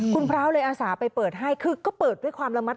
คุณพร้าวเลยอาสาไปเปิดให้คือก็เปิดด้วยความระมัดระวัง